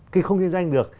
không kinh doanh được